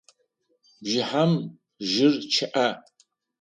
Бжыхьэм жьыр чъыӏэ.